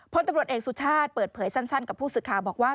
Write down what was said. พลตำรวจเอกสุชาติเปิดเผยสั้นกับผู้สื่อข่าวบอกว่า